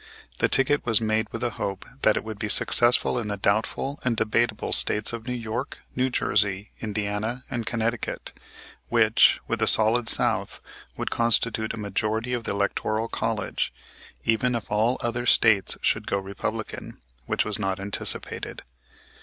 This ticket was made with the hope that it would be successful in the doubtful and debatable States of New York, New Jersey, Indiana, and Connecticut, which, with the Solid South, would constitute a majority of the electoral college, even if all the other States should go Republican, which was not anticipated.